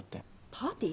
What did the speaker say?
パーティー？